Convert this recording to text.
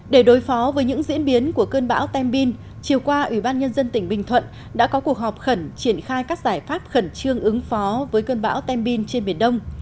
để đối phó với những diễn biến của cơn bão tem bin chiều qua ủy ban nhân dân tỉnh bình thuận đã có cuộc họp khẩn triển khai các giải pháp khẩn trương ứng phó với cơn bão tem bin trên biển đông